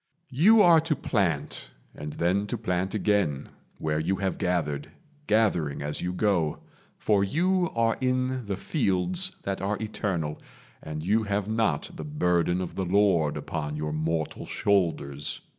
You are to plant, and then to plant again Where you have gathered, gathering as you go; For you are in the fields that are eternal, And you have not the burden of the Lord Upon your mortal shoulders.